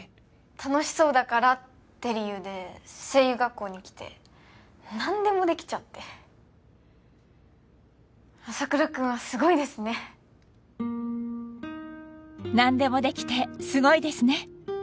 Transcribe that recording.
楽しそうだからって理由で声優学校に来て何でもできちゃって朝倉君はすごいですね何でもできてすごいですね